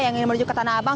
yang menuju ke tanah abang